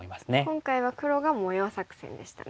今回は黒が模様作戦でしたね。